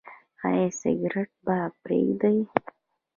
ایا سګرټ به پریږدئ؟